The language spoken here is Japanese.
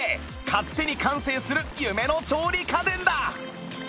勝手に完成する夢の調理家電だ！